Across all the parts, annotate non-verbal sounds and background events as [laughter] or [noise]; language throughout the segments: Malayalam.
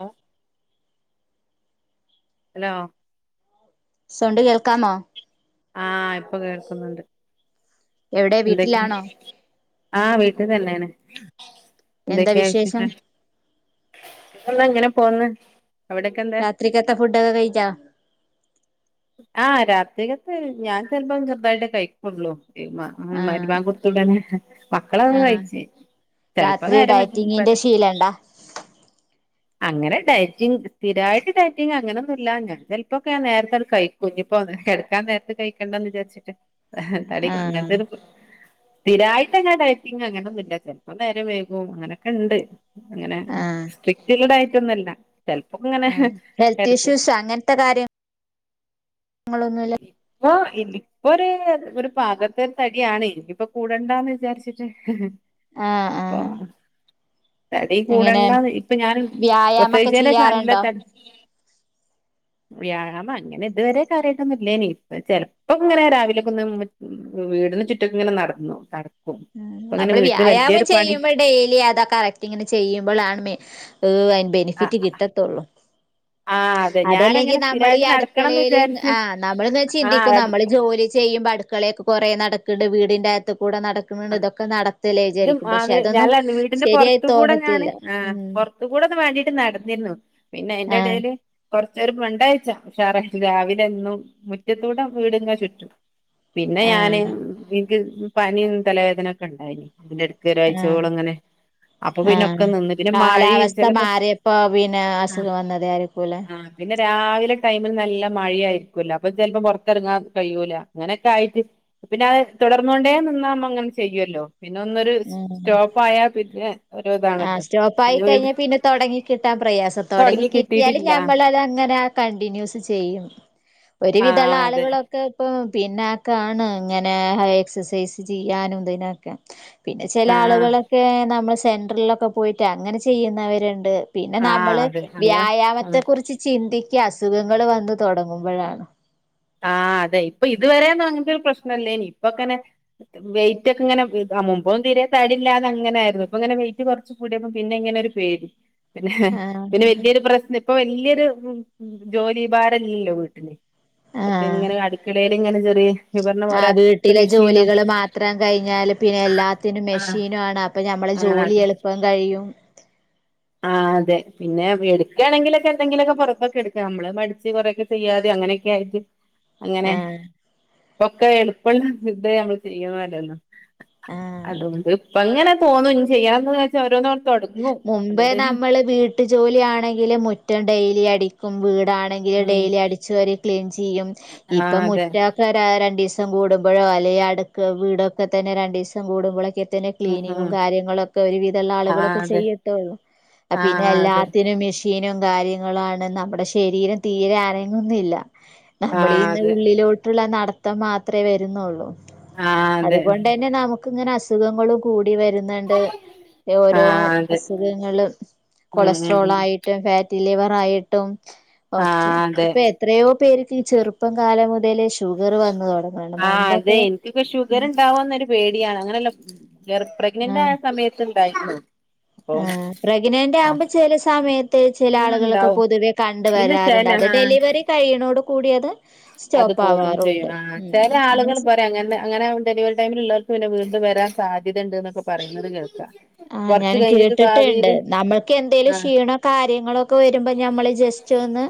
ഏ ഹലോ സൗണ്ട് കേൾക്കാമോ ആ ഇപ്പൊ കേക്ക്ന്ന്ണ്ട് എവിടെ വീട്ടിലാണോ ആ വീട്ട്ത്തന്നേണ് എന്താ എന്തൊക്കെ വിശേഷം [unintelligible] ങ്ങനെ പോന്ന് അവിടൊക്കെ എന്താ രാത്രിക്കത്തെ ഫുഡൊക്കെ കയ്ച്ചോ ആ രാത്രിക്കത്തത് ഞാൻ ചെൽപ്പോ ചെറുതായിട്ടേ കഴിക്കൊള്ളു [inaudible] മരുബാങ്ങൊട്ത്തുടനെ ആഹ ചെലപ്പോ രാത്രി നേരം വൈകും പല ഡയറ്റിങ്ങിന്റെ ശീലണ്ടാ അങ്ങനെ ഡയറ്റിങ് സ്ഥിരമായിട്ട് ഡയറ്റിങ് അങ്ങനെയൊന്നുമ ഇല്ല. ഞാൻ ചിലപ്പോൊക്ക ഞ നേരത്തെത് കഴിക്ക കുഞ്ഞിപ്പോ എടുക്കാൻ നേരത്തെ കഴിക്കണ്ട എന്ന് വിചാരിച്ചിട്ട് അടി ങ്ങന ആഹ് തരുപ്പ സ്ഥിരായിട്ട് ങ്ങൻ ഡയറ്റിങ് അങ്ങന ഒന്നുമ ചെപ്പോ നേരം വേകവും അങ്ങനെയൊക്കെ ഉണ്ട് അങ്ങനെ ആഹ് ഡ ആയിട്ടൊന്നുംല്ല ചിലപ്പം ഇങ്ങനെ ഹെൽത്ത് കരുതും ഇഷ്യൂസ് അങ്ങനത്തെ കാര്യം ഞങ്ങളൊന്നുമല്ല ഇനിപപോ ഒരു ഒരു പാകത്തെ ഒരു തടിയാണ് ഇനി ഇപ്പോ കൂടണ്ടന്ന് വിചാരിച്ചിട്ട് ആഹ് അപ്പൊ ആഹ് തടി എങ്ങനെ കൂടെങ്ങള ഇപ്പൊ ഞാൻ വ്യായാമൊക്കെ പ്രത്യേകിച്ചതിനന് ശേഷം നല്ല ചെയ്യാറുണ്ടോ ത വ്യായാമം അങ്ങനെ ഇതുവരെ കാര്യമായിട്ടൊന്നുംമല്ലനി ഇ ചെലപ്പോ ഇങ്ങനെ രാവിലൊക്കെ വീടിനു ചുറ്റുമക്ക ഇങ്ങനെ നടക്കും. ഇപ്പ ഇങ്ങനെ നമ്മള് വീട്ടില് വ്യായാമം വല്യൊരു പണി ചെയ്യുമ്പോൾ ഡെയിലി അതാ കറക്റ്റ് ഇങ്ങനെ ചെയ്യുമ്പോൾാണ് മേ ഏ് ആ ബെനിഫിറ്റ് കിട്ടത്തുള്ളൂ ആ അതെ അതല്ലെങ്കിൽ ഞാനങ്ങനെ നമ്മൾ ഈ സ്ഥിരമായിട്ട് നടക്കണംന്ന് അടുക്കളയിലും വിചാരിച്ച് ആ് നമ്മൾന്ന് വ ആ ചിന്തിക്കും അത് നമ്മള് ജോലി ചെയ്യുമ്പോ അടു മക്കളൊക്കെ കുറെേ നടക്കണ്ട് വീടിൻന്റെറകത്ത് കൂടെ നടക്കുന്നുണ്ട് ആ ഇതൊക്കെ നടത്തില്ല ഇത് വിചാരിക്കും, പക്ഷെ ആണ് അതൊന്നും അല്ല വീടിന്റെ ശരിയായി പുറത്ത് കൂടെ തോന്നത്തില്ല ഞാന് ആ പുറത്ത് കൂടെ ഒന്ന് വേണ്ടിട്ട് നടന്നിരുന്നു പിന്നെ അയ്‌ന്റെ ആഹ് ഇടയില് കൊറച്ചര രണ്ടഴച്ച പക്ഷേറ രാവിലെ എന്നും മുറ്റത്തൂടെ വീടിങ്ങ ചുറ്റും പിന്നെ ഞാന് ആഹ് പി തലവേദനൊക്ക ഉണ്ടായി പിന്റെ ഇടുത്ത് ആഹ് ഒരാഴ്ചകോള അങ്ങനെ അപ്പൊ പിന്നൊക്കെ ആഹ് നിന്ന് പിന്നെ മഴ കാലാവസ്ഥ ചിലപ്പോ മാറിയപ്പോ പിന്നെ ആ അസുഖം വന്നതേ ആയിരിക്കൂല്ലേ ആ പിന്നെ രാവിലെ ടൈമിൽ നല്ല മഴയ ആയിരിക്കല്ല അപ്പൊ ചിലപ്പോ പുറത്തിറങ്ങാൻ കഴിയൂല അങ്ങനെയൊക്കെ ആയിട്ട് പിന്നെ അത് തുടർന്നോണ്ടേ നിന്നാ അങ്ങനെ ചെയ്യുവല്ലോ പിന്നെ ഒന്നൊരു സ്റ്റോപ്പ് ആയാൽ പിന്നെ ഒരു ആ ഇതാണല്ലോ സ്റ്റോപ്പ ആയി പിന്നെ കഴിഞ്ഞ വീണ്ടും പിന്നെ തൊടങ്ങി കിട്ടാൻ പ്രയാസം, തുടങ്ങി കിട്ടിയാലല് ഞമ്മൾ അത് അങ്ങനെ കണ്ടിന്യൂസ് ചെയ്യും ആ ഒരുവിധമുള്ള അതെ ആളുകളൊക്കെ ഇപ്പ പിന്നെ ണ് ഇങ്ങനെ എക്സസൈസ് ചെയ്യാനും ഇതിനൊക്കെ പിന്നെ ചില ആ ആളുകളൊക്കെ നമ്മൾ സെൻടറിലൊക്കെ പോയിട്ട് അങ്ങനെ ചെയ്യുന്നവരുണ്ട് പിന്നെ ആ നമ്മള് അതെ അങ്ങനെ ആ വ്യായാമത്തെ കുറിച്ച് ചിന്തിക്ക എക്ക് അസുഖങ്ങൾ വന്ന് തുടങ്ങുമ്പോഴാണ് ആഹ് അതെ ഇപ്പൊ ഇതുവരെ യന്നും അങ്ങനത്തെ ഒരു പ്രശ്നംല്ലേ ഇനി ഇപ്പ അങ്ങനെ വെയിറ്റ് ഒക്കെ ഇങ്ങനെ മുമ്പും തതിരെ തടില്ലാതെ അങ്ങനൊയിരുന്നു ഇപ്പ ഇങ്ങനെ വെയിറ്റ് കുറച്ച് കൂടിയപ്പ പിന്നെ ഇങ്ങനൊ ഒരു പേടി പിന്നെ പിന്നെ ആഹ് വെല്യോരു പ്രശ്നം ഇപ്പൊ വെല്യ ത് ജോലി ഭാരല്ലല്ലോ വീട്ടില് [unintelligible] ആഹ് ങ്ങനെ അട്ക്കളേ ങ്ങനെ ചെറിയേ ആ വീട്ടിലെ ജോലികള് മാത്രം കഴിഞ്ഞാല് പിന്നെ എല്ലാത്തിനും ആഹ് മെഷീനുംണ് അപ്പൊ ഞമ്മള് ആഹ് ജോലി എളുപ്പം കഴിയും ആ അതെ പിന്നെ എടുക്കാണെങ്കിലൊക്കെ എന്തെങ്കിലൊക്കെ പൊറത്തൊക്കെ എടുക്ക നമ്മള് മടിച്ച് കൊറേക്കെ ചെയ്യാതെ അങ്ങനെയൊക്കായിട്ട് ആഹ് പൊക്കെ എളുപ്പമുള്ള ഇത് നമ്മള് ചെയ്യുന്നല്ലല്ലോ ആഹ് അതു കൊണ്ട് എങ്ങനെ തോന്നും ഇങ്ങനെ ചെയ്യാൻ എന്ന് ചോദിച്ചാ ഓരോന്നങ്ങ് തുടങ്ങും മ്പേ നമ്മള് വീട്ട് ജോലി ആണെങ്കിലും മുറ്റം ഡെയിലി അടിക്കും വീ ടാണെങ്കിൽ ഉം ഡെയിലി അടിച്ചു വാരി ക്ലീൻ ചെയ്യും ആഹ് ഇപ്പം അതെ മുറ്റമൊക്കെ രണ്ട് ദിവ സം കൂടുമ്പോഴോ അല്ലെങ്കിൽ അടുക്ക്‌ വീടൊക്കെ തന്നെ രണ്ട് ദിവസം കൂടുമ്പോളൊക്കെ ത ന്നെ ഉം ക്ലീനിങ്ങും ഉം കാര്യങ്ങളൊക്കെ ഒരു വിധമുള്ള ആളുകളൊ ആഹ് ക്കെ അതെ ചെയ്യത്തൊള്ളൂ പിന്നെ ആഹ് അതെ എല്ലാത്തിനും മെഷീനും കാര്യങ്ങളാണ് നമ്മുടെ ശരീരം തീരെ അനങ്ങുന്നില്ല ആഹ് നമ്മളീന്ന് അതെ ഉള്ളിലോട്ടുള്ള നട ത്തം മാത്രവേ വരുന്നുള്ളൂ ആഹ് അതെ അതുകൊണ്ട് തന്നെ നമു ക്ക്‌ ഇങ്ങനെ അസുഖങ്ങള് കൂടി [unintelligible] വരുന്നുണ്ട് ഓരോ ആഹ് അതെ അസുഖങ്ങളും ഉം ഉം കൊളസ്ട്രോൾ ഉം ആയിട്ടും ഫാറ്റ് ഡെലിവറായിട്ടും ഓക്കെ ആഹ് അതെ ഇപ്പൊ എത്രയോ പേർക്ക് ചെറുപ്പം കാലം മുതലേ ഷുഗർ വന്നു തുടങ്ങുന്നുണ്ട് ആ അതെ മുൻപൊക്കെ എനിക്കിപ്പ ഷുഗർ ഉണ്ടാവുന്നരു പേടിയാണ് അങ്ങനെയല്ല വറ പ്രഗ്നന്റ് ആയ സമയത്ത് [unintelligible] ആ പ്രഗ്നന്റ് ആവുമ്പോ ചില സമയത്ത് ചില ആഹ് ആളുകളൾൊക്കെ ഇണ്ടാവും പൊതുവേ കണ്ട പിന്നെ വരാറുണ്ട് ചെല അത് ആഹ് ഡെലിവറി കഴിയുന്നോടൂ കൂടിയത് അത് പോകും ചെയ്യും ആ ചില അങ്ങനെ ആളുകൾ പറയാ അങ്ങനെ അങ്ങനെ ഡെലിവറി ടൈമിൽ ഉള്ളവർക്കും പിന്നെ വീണ്ട വരാൻ സാധ്യതയ ഉണ്ട് എന്നൊക്കെ പറയുന്നത് കേൾക്കാം ആഹ് കൊറച്ച് ഞാനും കഴിഞ്ഞിട്ട് കേട്ടിട്ടുണ്ട് ഭാവിയില് നമ്മൾക്ക് എന്തേലും ആ ക്ഷീണോ കാര്യങ്ങളൊക്കെ വരുമ്പോ ഞമ്മള് ജസ്റ്റ് ഒന്ന്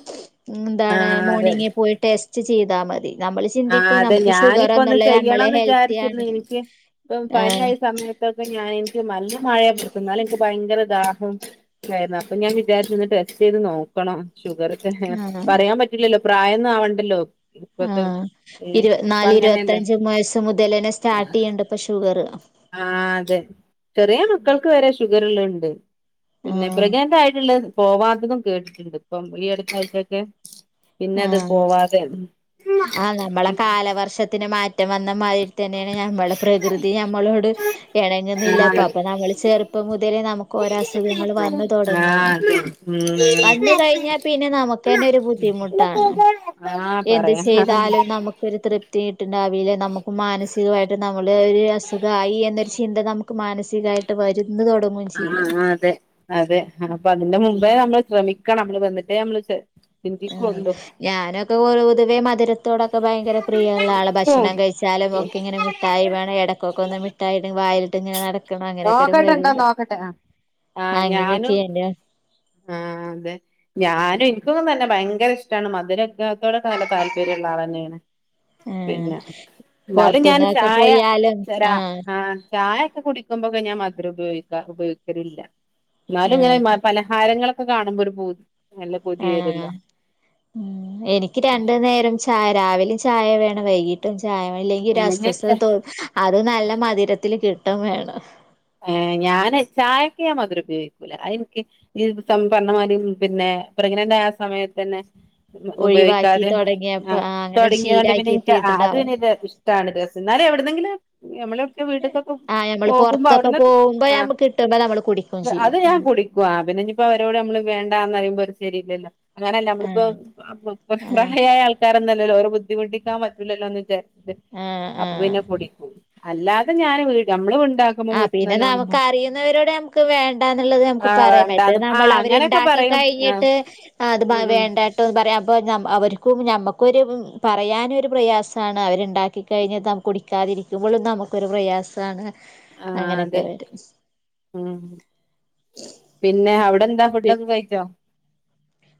ആ എന്താണ് അതെ മോർണിങ്ങിൽ പോയിട്ട് ച്ച് ചെയ്താ മതി നമ്മൾ ആ ചിന്തിക്കും അതെ നമുക്ക് ഷുഗർ ഞാനിപ്പോ ഒന്ന് ഒന്നുല്ല നമ്മള് ചെയ്യണംന്ന് വിചാരിച്ചിരുന്നു ഹെൽത്തിയാണ് എനിക്ക് ഇപ്പ ആഹ് പനിയായ സമയത്ത് അപ്പ ഞാൻ എനിക്ക് നല്ല മഴയെ എന്നാലെനിക്ക് ഭയങ്കര ദാഹം ഉണ്ടായിരുന്നു അപ്പൊ ഞാൻ വിചാരിച്ചന്ന് ടെസ്റ്റ് ചെയ്ത് നോക്കണം ഷുഗറൊക്കെ ആഹ് പറയാൻ പറ്റില്ലല്ലോ പ്രായന്ന ആവണ്ടല്ലോ ഇപ്പത്തെ ഏ ഇപ്പ ഇരുപത്ത്നാല് അങ്ങനെയല്ലേ ഇരുപത്തഞ്ചും വയസ് മുതലന്നെ സ്റ്റാർട്ട് ചെയ്യണ്ട് ഇപ്പൊ ഷുഗർ ആഹ് ഷുഗർല്ല ഉണ്ട് പിന്നെ ആഹ് പ്രഗ്നൻ്റായിട്ടുള്ളത് പോവാത്തതും കേട്ടിട്ടുണ്ട് ഇപ്പം ഈ അടുത്താഴ്ചൊക്കെ പിന്നെ അത് ആഹ് പോവാതെ ആഹ് നമ്മളെ കാലവർഷത്തിന് മാറ്റ റ്റ വന്ന മയെം തന്നെയാണ് നമ്മുടെ പ്രകൃതി ഞമ്മളോട് ഇണങ്ങുന്നില്ലപ്പ ആഹ് അപ്പ നമ്മള് ചെറുപ്പം മുതലേ നമുക്ക് ഓരോ അസുഖങ്ങള് വന്ന് തുടങ്ങാണ് ആഹ് അതെ വന്ന് കഴിഞ്ഞാ പിന്നെ നമുക്ക് തന്നെ ഒരു ബുദ്ധിമുട ഉം ആഹ് എന്ത് പറയാ ആഹ് ചെയ്താലും നമുക്കൊരു തൃപ്തിട്ട നമുക്ക് മാനസികമായിട്ട് നമ്മള ആ ഒരു അസുഗം ആയി എന്നൊരു ചിന്ത നമു മാനസികമായിട്ട് വരുന്ന് തൊട ആ അതെ അതെ അപ്പൊ അതിന്റെ മുമ്പേ നമ്മൾ ശ്രമിക്കണം നമ്മള് വന്നിട്ടേ നമ്മള് ചിന്തിക്കുള്ളൂ ഞാനൊക്കെ പൊതുവെ മധുരത്തോടൊക്കെ ഭയങ്കര പ്രിയ ഉള്ള ആള ഭക്ഷണം കഴിച്ചാലും ഒക്കെ ഇങ്ങനെ മിഠായി വേണം ഇടയ്ക്കൊക്കെ ഒന്ന് മിട്ടായി ഒന്ന് വായിൽ വായിലിട്ട് ഇങ്ങനെ നട നോക്കട്ടണ്ടോ നോക്കട്ടെ ആ ഞാനും അങ്ങനെയൊക്കെയാണ് ആ അതെ ഞാനും എനിക്കൊന്നും തന്നെ ഭയങ്കര ഇഷ്ടാണ് മധുരയൊക്കെത്തോടെ നല്ല താല്പര്യയുള്ള ആളാ ഞാൻ ആഹ് പിന്നെ എന്നാലും ഞാൻ പൊറത്തുന്നൊക്കെ ചായ പോയാലും പഞ്ചസാര ആഹ് ആ ചായ ഒക്കെ കുടിക്കും കൂടിക്കുമ്പൊക്ക ഞാൻ മധുരം ഉപയോഗിക്ക ഉപയോഗിക്കലില്ല എന്നാലും ആഹ് ഇങ്ങനെ പലഹാരങ്ങളൊക്കെ ഒക്കെ കാണുമ്പൊ ഒരു പൂതി ആ ഉം എനിക്ക് രണ്ട് നേരം ചായ രാവിലെയും ചായ വേണം വൈകിട്ടും ചായ ഇല്ലെങ്കിൽ അസ്വസ്ഥതോ അങ്ങനെ തോന്നും അത് നല്ല മധുരത്തിൽ കിട്ടും ഇടും വേണം ഏ ഞാൻ ചായക്കെ ഞാൻ മധുരം ഉപയോഗിക്കൂല അ എനിക്ക് ഇത് സം പറഞ്ഞമാതിരി പിന്നെ പ്രെഗ്നന്റ് ആയ സമയത്ത് തന്നെ ഒഴിവാക്കി ഉപയോഗിക്കാതെ ആ തുടങ്ങിയപ്പോ അങ്ങനെ ഒരു തുടങ്ങിയതണ്ട് ശീലാക്കി പിന്നെ എനിക്ക് അത് കിട്ടിയിട്ടുണ്ടാവും പിന്നെ ഇത് ഇഷ്ടാണ് ഇത് എന്നാലും എവിടുന്നെങ്കിലും നമ്മള വീട്ടക്കൊക്കെ ആ നമ്മള് പോ അവിടെ പുറത്തൊക്കെ നിന്ന് പോകുമ്പോ നമ്മക്ക് കിട്ടുമ്പോ നമ്മള് കുടിക്കും അത് ചെയ്യും ആ ഞാൻ കുടിക്കും അത്‌ പിന്നെ അവരോട് നമ്മൾ വേണ്ടാന്ന് പറയുമ്പോൾ ഒരു ശരി ഇല്ലല്ലോ അങ്ങനല്ല ആ നമ്മളിപ്പോ പ്രായമായ ആൾക്കാരല്ലേ ഇല്ല ഓരെ ബുദ്ധിമുട്ടിക്കാൻപറ്റില്ലല്ലോന്ന് വിചാരിച്ചിട്ട് ആ ആ അപ്പ ആ പിന്നെ കുടിക്കും അല്ലാതെ ഞാനും വീട്ടിൽ നമ്മൾ ഉണ്ടാക്ക ആ പിന്നെ നമുക്ക് അറിയുന്നവരോട് നമുക്ക് വേണ്ട എന്നുള്ളത് നമുക്ക് ആഹ് പറയാം മറ്റേ വേണ്ടാന്ന് നമ്മൾ ആഹ് അങ്ങനെയൊക്കെ അവരുണ്ടാക്കി പറയും ആഹ് കഴിഞ്ഞിട്ട് അത് ഉം ഉം വേണ്ടട്ടോന്ന് പറയാം അപ്പൊ അവർക്കും ഞമ്മക്കും നമുക്കൊരു പറയാനും ഒരു പ്രയാസമാണ് അവരുണ്ടാക്ക കഴിഞ്ഞൽ നമുക്ക് കുടിക്കാതിരിക്കുമ്പോഴും നമുക്കൊരു പ്രയാസമാണ് ആ അതെ ഉം പിന്നെ അവിടെന്താ ഫുഡ് പി- ഒക്കെ കഴിച്ചോ [inaudible]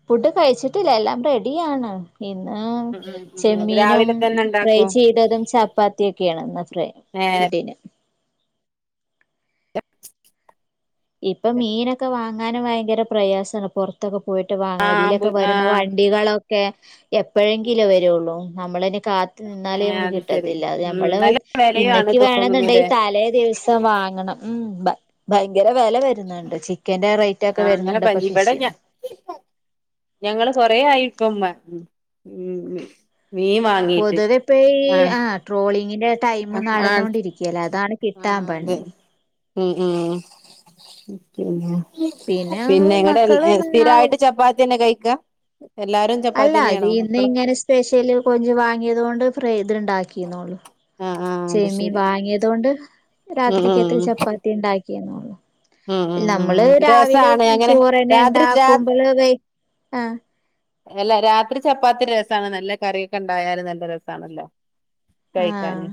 ഫുഡ് കഴിച്ചിട്ടില്ല എല്ലാം റെഡിയാണ് ഇന്ന് ഉം ഉം ഉം ചെമ്മീനും രാവിലെ തന്നെ ഫ്രൈ ഉണ്ടാക്കോ ചെയ്തതും ചപ്പാത്തി ഒക്കെയാണ് ഇന്ന് ഫ്രൈ നേരത്തെ ഫുഡിന് ഇപ്പം മീനൊക്കെ വാങ്ങ് [unintelligible] ഭയങ്കര പ്രയാസാണ് പൊറത്തൊക്കെ പോയിട്ട് വാങ്ങണം ആഹ് ബു ഇതിലെക്കെ വര്ന്ന ആഹ് വണ്ടികളൊക്കെ എപ്പഴെങ്കില് വരോള്ളു നമ്മളിനി ഏഹ് കാത്ത്നിന്നാല്മ്മക്ക് അത് ശരി കിട്ടത്തില്ല. ഉം നമ്മള് നല്ല വിലയാണ് ഇന്നേക്ക് തോന്നുന്നുല്ലേ വേണന്ന്ണ്ടെല് തലേ ദിവസം വാങ്ങണം മ്മ് ഭ ബൈ ങ്കര വെല വരുന്നുണ്ട് ചിക്കന്റെ റേറ്റ് ഒക്കെ ആഹ് അങ്ങനെ വരുന്നുണ്ട് [unintelligible] ഇപ്പൊ [unintelligible] ഫിഷിന് ഞങ് [unintelligible] ഞങ്ങള് കൊറേ ആയി ഇപ്പം [unintelligible] വാങ്ങീട്ട് പൊതുവേ ഇപ്പ ഈ ആഹ് ആ ട്രോളിങ്ങിന്റെ ടൈം ആഹ് ആഹ് നടന്നോണ്ടിരിക്കേലാ അതാണ് കിട്ടാൻ പണി മ്മ് മ്മ് പിന്നെ പിന്നെ ഇങ്ങടെഏ സ്ഥിരായിട്ട് ചപ്പാത്തി തന്നെ കഴി ക അല്ല ഇത് ഇന്ന് ഇങ്ങനെ സ്പെഷ്യല് കൊഞ്ച് വാങ്ങിയതോണ്ട് ഫ്രൈത്റ് ണ്ടാ ആഹ് ആഹ് [unintelligible] അത് ചെമ്മീൻ ശരി വാങ്ങിയത് കൊണ്ട് ഉം രാത്രീകത് ചപ്പാത്തി ഉണ്ടാക് ഉം ഉം ഉം [unintelligible] ഉം നമ്മള് രാവിലെ രസാണ് അങ്ങനെ രാത്രി രാ ചോറ്ന്ണ്ടാക്കുമ്പള് വെ ആ അല്ല രാത്രി ചപ്പാത്തി രസാണ്. നല്ല കറിയൊക്കെണ്ടായാല് നല്ല രസാണല്ലോ ആഹ് കഴിക്കാന്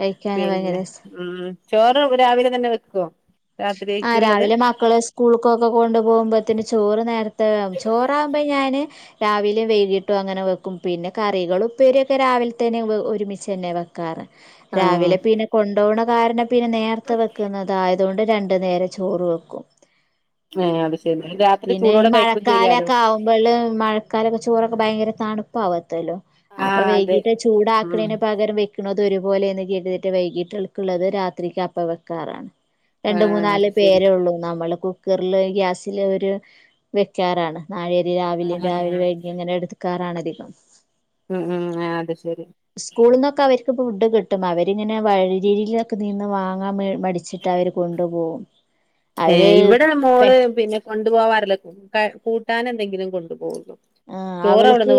കഴിക്കാന് ഭയങ്കര പിന്നെ രസ ഉം ചോറ് രാവിലെ തന്നെ വെക്കോ? ആ രാത്രിയേക്കുള്ളത് രാവിലെ മക്കള് സ്കൂൾക്കൊക്കെ കൊണ്ടു പോവുമ്പത്തിന് ചോറ് നേരത്തെ ആകും. ചോറാവുമ്പ ഞാന് രാവിലേം വൈകീട്ടും അങ്ങനെ വെക്കും. പിന്നെ കറികളും ഉപ്പേരീയൊക്കെ രാവിലെ തന്നെ ഒരുമിച്ചേന്നെ വെക്കാറ് ആഹ് രാവിലെ പിന്നെ കൊണ്ടോണ കാരണം പിന്നെ നേരത്തെ വെക്ക്ന്നതാ അതുകൊണ്ട് രണ്ടു നേരം ചോറ് വെക്കും. [unintelligible] രാത്രി പിന്നെ ഈ ചൂടോടെ കഴിക്കും ചെയ്യാലോ മഴക്കാലൊക്കെ ആവുമ്പോള് മഴക്കാലോക്കെ ചോറൊക്കെ ഭയങ്കര തണുപ്പാവ തല്ലോ അപ്പൊ ആഹ് അതെ വൈകീട്ട് ഉം ചൂടാക്ക്ണേന് പകരം വെ അത് ഒരുപോലെന്ന് കേട്ടിട്ട് വൈകിട്ട്ക്കുള്ളത് രാത്രിക്ക് അപ്പ വെക്കാറാണ് രണ്ട് മൂന്ന് ആഹ് നാല് അത് ശരി പേരെ ഉള്ളൂ നമ്മള് റില് ഗ്യാസില് വ ത് വെക്കാറാണ് നാഴരി രാവിലെയും ആഹ് രാവിലെ അത് വയ് ശരി ഇങ്ങനെ എടുക്കറാണ യിക്കാം ഉം ഉം അത് ശരി സ്കൂളിൽന്നൊക്കെ അവർക്ക് ഫുഡ് കിട്ടും അവരിങ്ങനെ വഴരിലൊക്കെ നിന്ന് വാങ്ങാൻ മടിച്ചിട്ട് അവര് കൊണ്ടുപോകും ഏ അവര് ഇവിടെ പെ മോള് പിന്നെ കൊണ്ടുപോവാറില്ല കൂട്ടാൻ എന്തെങ്കിലും കൊണ്ടുപോവുള്ളൂ ആ അവള്ക്ക്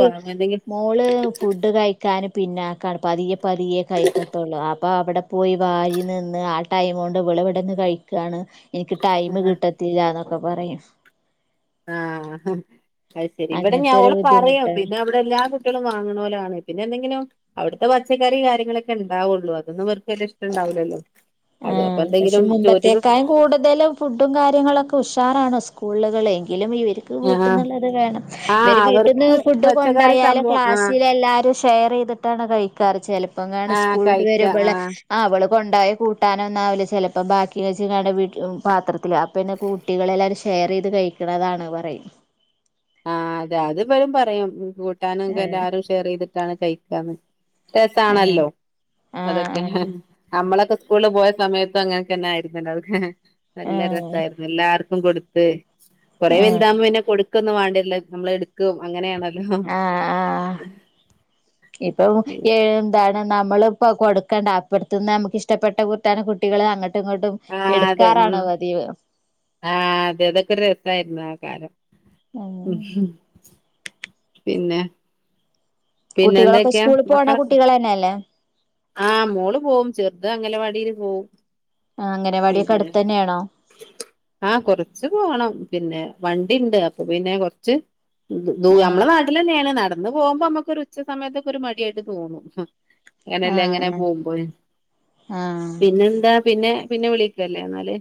മോള് ഫുഡ് കഴിക്കാനും പിന്നാക്കാണ് പതിയെ പതിയേ കഴിക്കത്തുള്ളൂ അപ്പൊ അവിടെ പോയി വാരി നിന്ന് ആ ടൈം കൊണ്ട് ഇവിളവിടെന്ന് കഴിക്കയാണ് എനിക്ക് ടൈം ആ കിട്ടത്തില്ലന്ന് ഒക്കെ പറയും ആ ഹ അയ് ശരി ഇവിടെ ഞാ അങ്ങനത്തെ ഒരു ഓള് പറയും ബുദ്ധിമുട്ടാണ് പിന്നെ അവിടെ എല്ലാം [unintelligible] വാങ്ങണ പോലെയാണ് പിന്നെ എന്തെങ്കിലും അവിടുത്തെ പച്ചക്കറി കാര്യങ്ങളെക്കെ ണ്ടാവുള്ളു അതൊന്നുംർക്ക് വല്യ ഇഷ്ടൊണ്ടാവില്ലല്ലോ ആ പക്ഷെ മുമ്പത്തേക്കായും കൂടുതലും ഫുഡും കാര്യങ്ങളൊക്കെ ഉഷാറാണോ സ്കൂളുകളെ കിലും ഇവര്ക്ക് ആ വീട്ടിന്നുള്ളത് വേണം ആ ഇവർ വീട്ടിന്ന് അവർക്ക് ഫുഡ് പച്ചക്കറി കൊണ്ടായാലും സംഭവം ആ ക്ലാസ്സിൽ എല്ലാരും ഷെയർ ചെയ്തിട്ടാണ് കയി ക്കർ ചെല് ആ ഇപ്പങ്ങാണം സ്കൂള്റ്റ് കഴിക്ക ആ വരുമ്പളെ അവള് കൊണ്ടായ [unintelligible] കിട്ടാനൊന്നാവില്ല ചെലപ്പോ ബാക്കിച്ചങ്ങാ വിട്ടി പാത്ര തിൽ അപ്പന്നെ കൂട്ടികളെല്ലാരും സ് ഷെയർ ചെയ്ത് കഴിക്കണതാണ് പറയും ആ അതെ അത് [unintelligible] വലും പറയും കൂട്ടാനും ക്കെ ആഹ് എല്ലാരും ഷെയർ ചെയ്തിട്ടാണ് കയിക്കാന്ന് രസ ആഹ് ആണല്ലോ അതൊക്കെ ആഹ് നമ്മളൊക്കെ സ്കൂളിൽ പോയ സമയത്തും അങ്ങനൊക്കന്നെ ആയിരുന്നല്ലത ആഹ് നല്ല ആഹ് രസായിരുന്നു എല്ലാർക്കും കൊടു ത്ത് കൊറേ ആഹ് വെൽതാഹ്മ്പ പിന്നെ കൊട് ക്കൊന്നും വാണ്ട്യര്ല മ്മളെടുക്കും അങ്ങനെയാണ ആഹ് ആഹ് ഇപ്പം ഏഴുംന്താണ് നമ്മള് പ്പൊ കൊടുക്കേണ്ട അപ്പർത് ന്ന് അമുക്ക് ഇഷ്ടപ്പെട്ട കുട്ടാനം കുട്ടികളെ അങ്ങ ആഹ് അതെ ഉം ആഹ് അതെ അതൊക്കെ രസായിരുന്നു ആ കാലം ഉം ഉം പിന്നെ പിന്നെ കുട്ടികളൊക്കെ എന്തൊക്കെയാ സ്കൂളി പോണ മക്കളൊക്കെ കുട്ടികളെന്നെയല്ലേ? ആഹ് മോള് പോവും ചെർത് അംഗലവാടിയില് പോവും. ആ അംഗനവാടിയൊക്കെ പിന്നെ അടുത്ത് തന്നെയാണോ ആഹ് കൊറച്ച് പോഅണം പിന്നെ വണ്ടിണ്ട് അപ്പൊ പിന്നെ കൊർച്ച് ദ് ദു ആഹ് മ്മളെ നാട്ടിലെന്നേണ് നാ ട്ന്ന് പോഉമ്പോ മ്മക്കൊരു ഉച്ച സമയത്തൊക്കെ ഒരു മടിയായിട്ട് തോന്നു ഹും ങ്ങനെല്ലങ്ങനെ ആഹ് പോഉമ്പോയ് ആഹ് പിന്നെന്താ പിന്നെ പിന്നെ വിളിക്കല്ലേ ന്നാല്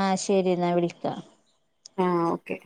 ആഹ് ശരി ന്നാ വിളിക്കാ ആഹ് ഓക്കെ